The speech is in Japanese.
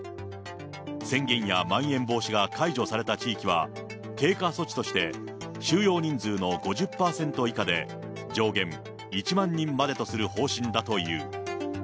宣言やまん延防止が解除された地域は、経過措置として収容人数の５０％以下で、上限１万人までとする方針だという。